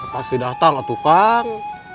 pasti datang lah tukang